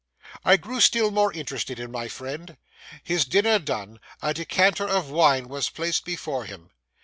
I grew still more interested in my friend. His dinner done, a decanter of wine was placed before him.